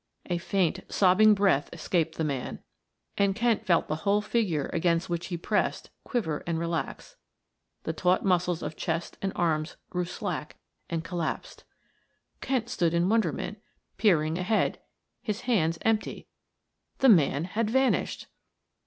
A faint, sobbing breath escaped the man, and Kent felt the whole figure against which he pressed, quiver and relax; the taut muscles of chest and arms grew slack, collapsed. Kent stood in wonderment, peering ahead, his hands empty the man had vanished!